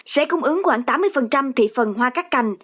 sẽ cung ứng khoảng tám mươi thị phần hoa cắt cành